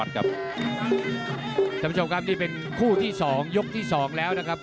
สำหรับช่วงกลางที่เป็นคู่ที่สองยกที่สองแล้วนะครับ